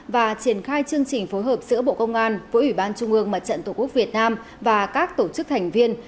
và triển khai chương trình phối hợp giữa bộ công an với ủy ban trung ương mặt trận tổ quốc việt nam và các tổ chức thành viên